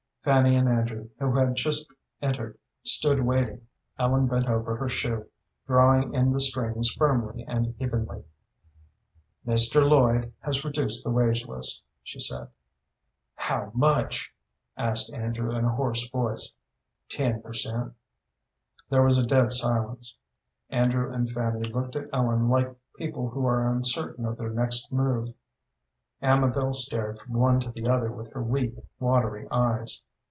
Fanny and Andrew, who had just entered, stood waiting. Ellen bent over her shoe, drawing in the strings firmly and evenly. "Mr. Lloyd has reduced the wage list," she said. "How much?" asked Andrew, in a hoarse voice. "Ten per cent." There was a dead silence. Andrew and Fanny looked at Ellen like people who are uncertain of their next move; Amabel stared from one to the other with her weak, watery eyes.